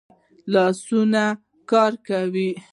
لاسونه کار کوي